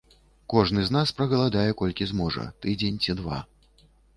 Кожны з нас прагаладае колькі зможа, тыдзень ці два.